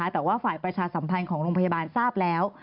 แต่ว่าฝ่ายประชาสัมพันธ์ของโรงพยาบาลทราบแล้ว